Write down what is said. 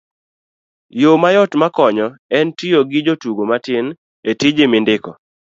yo mayot makonyo en tiyo gi jotugo matin e tiji mindiko